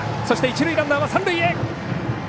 一塁ランナーは三塁へ！